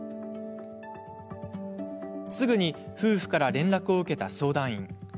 すぐに夫婦から連絡を受けた相談員。